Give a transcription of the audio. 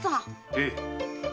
ええ。